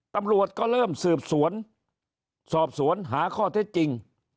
ตำรวจก็เริ่มสืบสวนสอบสวนหาข้อเท็จจริง